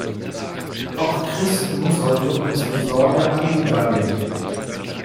Auch Christen sollte unsere Sorge angedeihen.